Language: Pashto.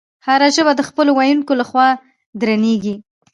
هره ژبه د خپلو ویونکو له خوا درنیږي.